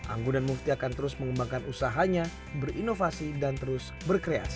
anggun dan mufti akan terus mengembangkan usahanya berinovasi dan terus berkreasi